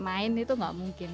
tidak pakai main itu tidak mungkin